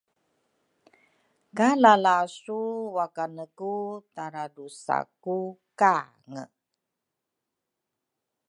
ka lalasu wakane ku taradrusa ku kange.